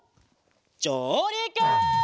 じょうりく！